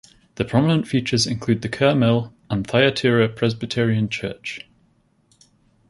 The prominent features include the Kerr Mill and Thyatira Presbyterian Church.